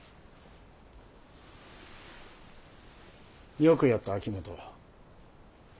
よくやった秋本。